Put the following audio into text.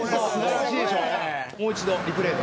「もう一度リプレイで。